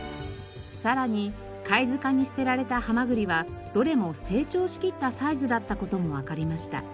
さらに貝塚に捨てられたハマグリはどれも成長しきったサイズだった事もわかりました。